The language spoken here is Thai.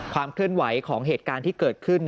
ความเคลื่อนไหวของเหตุการณ์ที่เกิดขึ้น